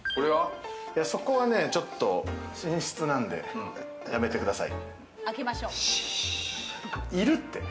そこはね、ちょっと寝室なので、やめてください。